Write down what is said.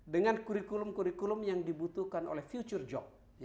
dengan kurikulum kurikulum yang dibutuhkan oleh future job